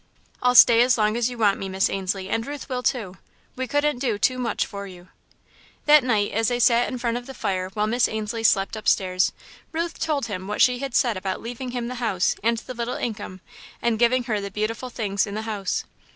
"I'll stay as long as you want me, Miss Ainslie, and Ruth will, too. We couldn't do too much for you." That night, as they sat in front of the fire, while Miss Ainslie slept upstairs, Ruth told him what she had said about leaving him the house and the little income and giving her the beautiful things in the house.